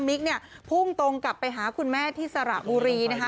ิ๊กเนี่ยพุ่งตรงกลับไปหาคุณแม่ที่สระบุรีนะคะ